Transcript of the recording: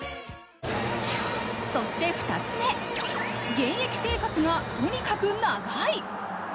そして２つ目現役生活がとにかく長い。